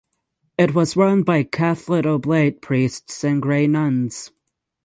It was run by Catholic Oblate priests and Grey Nuns.